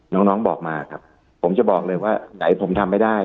น้องน้องบอกมาครับผมจะบอกเลยว่าไหนผมทำไม่ได้